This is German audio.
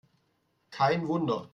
Kein Wunder!